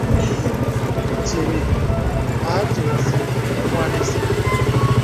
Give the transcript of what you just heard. Cìmì à acìmsì mwānī sì.